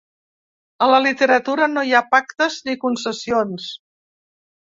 A la literatura no hi ha pactes ni concessions.